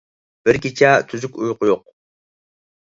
بىر كېچە تۈزۈك ئۇيقۇ يوق.